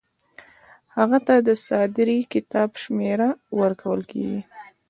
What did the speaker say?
هغه ته د صادرې کتاب شمیره ورکول کیږي.